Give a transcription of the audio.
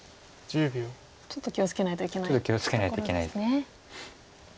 ちょっと気を付けないといけないところですね。